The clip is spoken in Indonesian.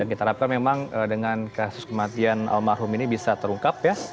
dan kita harapkan memang dengan kasus kematian almarhum ini bisa terungkap ya